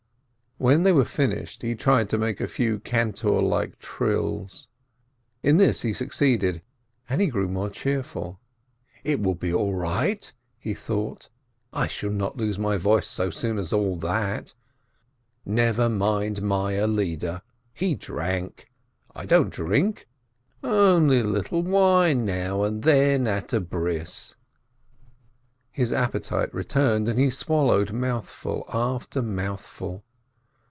When they were finished, he tried to make a few cantor like trills. In this he succeeded, and he grew more cheerful. "It will be all right," he thought, "I shall not lose my voice so soon as all that ! Never mind Meyer Lieder, he drank ! I don't drink, only a little wine now and again, at a circumcision." His appetite returned, and he swallowed mouthful after mouthful.